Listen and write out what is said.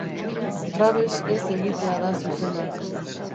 Trabes ez egitea da zuzena.